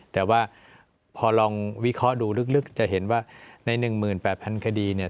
แต่ว่าพอลองวิเคราะห์ดูลึกจะเห็นว่าใน๑๘๐๐คดีเนี่ย